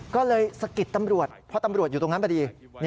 ก็เลยสะกิดตำรวจเพราะตำรวจอยู่ตรงนั้นพอดี